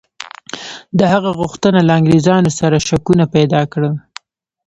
د هغه غوښتنه له انګرېزانو سره شکونه پیدا کړل.